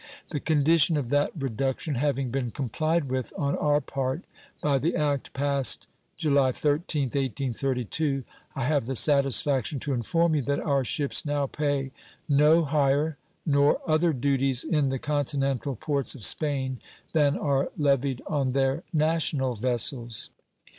The condition of that reduction having been complied with on our part by the act passed July 13th, 1832, I have the satisfaction to inform you that our ships now pay no higher nor other duties in the continental ports of Spain than are levied on their national vessels.